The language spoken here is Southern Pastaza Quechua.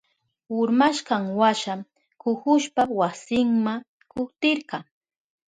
Urmashkanwasha kuhushpa wasinma kutirka.